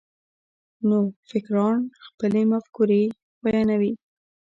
نوفکران خپلې مفکورې بیانوي.